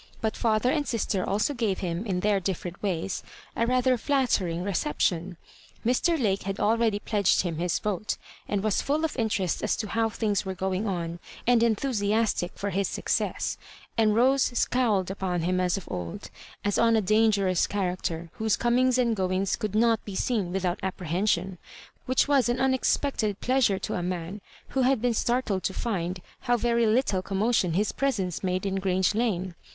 But father and sister also gave him, in their different ways, a rather flattering reception. Mr. Lake had al ready pledged him his vote, and was full of interest as to how things were going on, and enthusiastic for his success; and Rose scowled upon him as of old, as on a dangerous charac ter, whose comings and goings could not be seen without apprehension ; which was an im expected pleasure to a man who had been startied to find how very little commotion his presence made in Grange Lane.